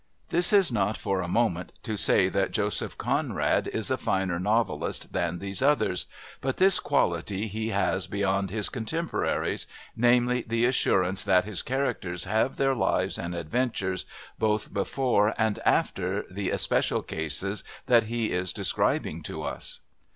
This is not for a moment to say that Joseph Conrad is a finer novelist than these others, but this quality he has beyond his contemporaries namely, the assurance that his characters have their lives and adventures both before and after the especial cases that he is describing to us.